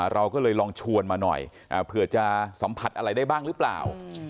เราก็เลยลองชวนมาหน่อยเผื่อจะสัมผัสอะไรได้บ้างหรือเปล่า